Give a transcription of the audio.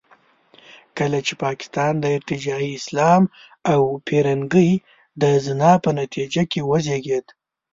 کله چې پاکستان د ارتجاعي اسلام او پیرنګۍ د زنا په نتیجه کې وزېږېد.